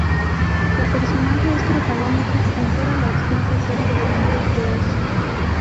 El personaje es protagónico en toda la extensa serie de libros de Oz.